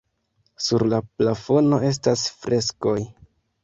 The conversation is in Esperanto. Sur la plafono estas freskoj.